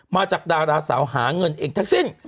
มาจากดาราสาวหาเงินเองทั้งสิ้น